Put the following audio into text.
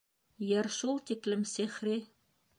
Йыр шул тиклем сихри.